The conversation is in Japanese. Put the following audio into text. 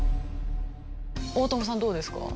大友さんどうですか？